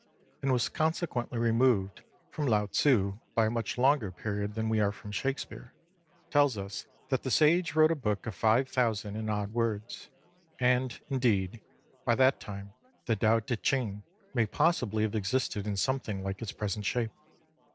and was consequently removed from Lao Tzu by a much longer period than we are from Shakespeare, tells us that the Sage wrote a book of five thousand and odd words ; and, indeed, by that time the Tao Ti Ching may possibly have existed in something like its present shape.